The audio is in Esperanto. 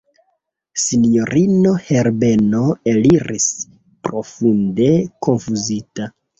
Sinjorino Herbeno eliris profunde konfuzita.